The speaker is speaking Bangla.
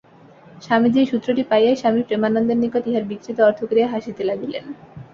স্বামীজী এই সূত্রটি পাইয়াই স্বামী প্রেমানন্দের নিকট ইহার বিকৃত অর্থ করিয়া হাসিতে লাগিলেন।